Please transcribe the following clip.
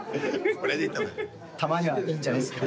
たまにはいいんじゃないすか。